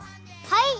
はい！